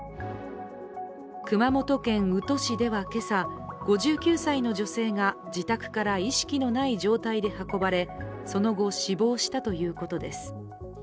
熊本県宇土市ではけさ、５９歳の女性が自宅から意識のない状態で運ばれその後、死亡したということです。